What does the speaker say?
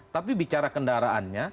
tapi bicara kendaraannya